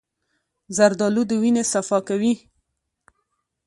زردالو د وینې صفا کوي.